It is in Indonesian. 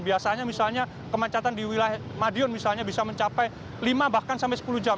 biasanya misalnya kemacetan di wilayah madiun misalnya bisa mencapai lima bahkan sampai sepuluh jam